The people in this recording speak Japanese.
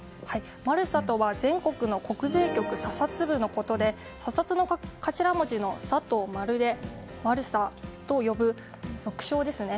マルサとは全国の国税局査察部のことで査察の頭文字の「サ」と「マル」でマルサと呼ぶ俗称ですね。